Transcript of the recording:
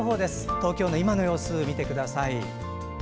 東京の今の様子を見てください。